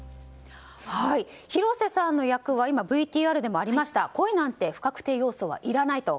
広瀬さんの役は今、ＶＴＲでもありました恋なんて不確定要素はいらないと。